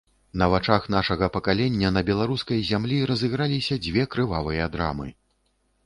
На вачах нашага пакалення на беларускай зямлі разыграліся дзве крывавыя драмы.